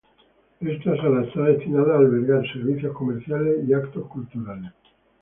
Esta sala está destinada a albergar servicios comerciales y eventos culturales.